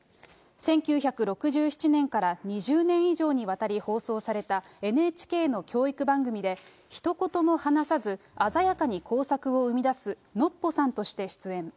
１９６７年から２０年以上にわたり放送されたＮＨＫの教育番組でひと言も話さず、鮮やかに工作を生み出すノッポさんとして出演。